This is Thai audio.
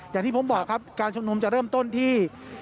อย่างที่ผมบอกครับการชุมนุมจะเริ่มต้นที่